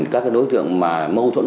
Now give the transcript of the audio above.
các đối tượng mà mâu thuẫn